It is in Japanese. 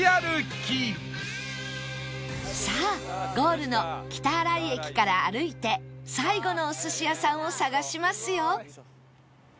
さあゴールの北新井駅から歩いて最後のお寿司屋さんを探しますよ